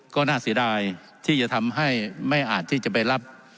ก็น่าเสียดายที่จะทำให้ไม่อาจที่จะไปรับ